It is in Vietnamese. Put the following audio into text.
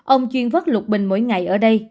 ông chuyên vớt lục bình mỗi ngày ở đây